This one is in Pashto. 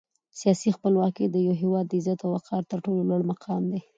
سیاسي خپلواکي د یو هېواد د عزت او وقار تر ټولو لوړ مقام دی.